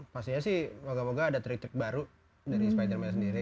pastinya sih moga moga ada trik trik baru dari spidernya sendiri